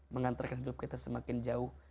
mengantarkan hidup kita semakin jauh